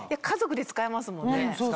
家族で使えますもんね。